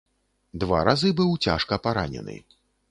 Два разы быў цяжка паранены.